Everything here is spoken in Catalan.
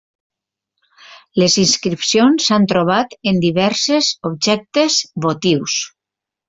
Les inscripcions s'han trobat en diverses objectes votius.